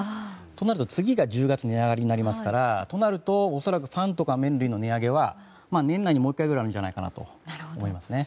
となると次が１０月値上がりになりますからとなると恐らくパンとか麺類の値上げは年内にもう１回ぐらいあるんじゃないかなと思いますね。